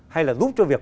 hay là giúp cho việc